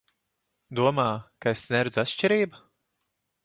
Domā, ka es neredzu atšķirību?